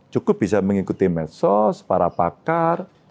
cukup bisa mengikuti medsos para pakar